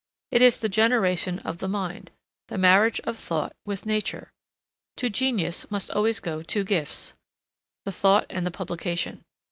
It is the generation of the mind, the marriage of thought with nature. To genius must always go two gifts, the thought and the publication.